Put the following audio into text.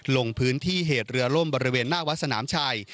ลงพื้นที่เหตุเรือล่มบริเวณหน้าวัดสนามชัย